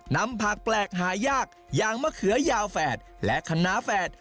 นำผักแปลกหายากอย่างมะเขือยาวแฝดและคณะแฝด